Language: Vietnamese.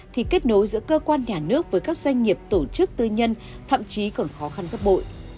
thì kết nối giữa cơ quan nhà nước với các doanh nghiệp tổ chức tư nhân thậm chí còn khó khăn gấp bội